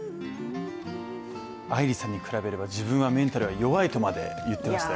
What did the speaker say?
愛梨さんに比べれば自分はメンタル弱いとまで言っていましたよ。